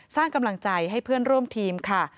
สร้างกำลังใจให้เพื่อนร่วมทีมค่ะ